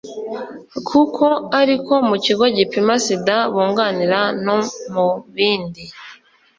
kuko aziko mu kigo gipima sida bunganira no mu bindi,